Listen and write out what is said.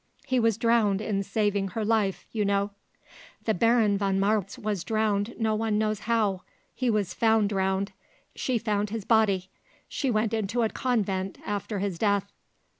He was drowned in saving her life, you know." "The Baron von Marwitz was drowned no one knows how; he was found drowned; she found his body. She went into a convent after his death."